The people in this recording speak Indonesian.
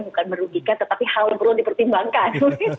bukan merugikan tetapi hal yang perlu dipertimbangkan